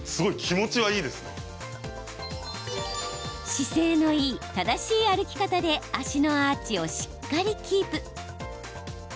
姿勢のいい、正しい歩き方で足のアーチをしっかりキープ。